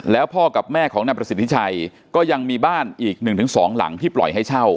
แล้วพ่อกับแม่ของนายประสิทธิชัยก็ยังมีบ้านอีก๑๒หลังที่ปล่อยให้เช่า